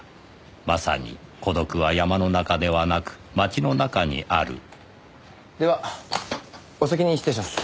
まさに「孤独は山の中ではなく街の中にある」ではお先に失礼します。